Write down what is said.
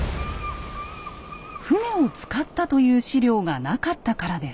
船を使ったという史料がなかったからです。